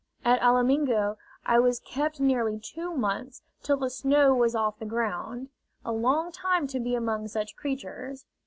At Alamingo I was kept nearly two months, till the snow was off the ground a long time to be among such creatures!